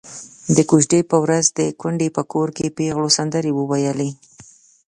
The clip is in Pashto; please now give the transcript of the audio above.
د کوژدې په ورځ د کونډې په کور کې پېغلو سندرې وويلې.